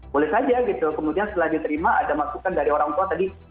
boleh saja gitu kemudian setelah diterima ada masukan dari orang tua tadi